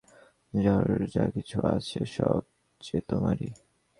যার যা-কিছু আছে সব যে তোমারই।